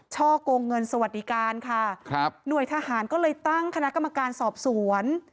ช่อกงเงินสวัสดิการค่ะครับหน่วยทหารก็เลยตั้งคณะกรรมการสอบสวน